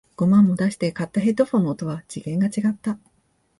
五万も出して買ったヘッドフォンの音は次元が違った